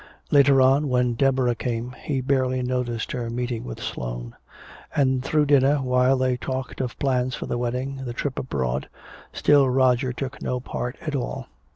Later on, when Deborah came, he barely noticed her meeting with Sloane. And through dinner, while they talked of plans for the wedding, the trip abroad, still Roger took no part at all.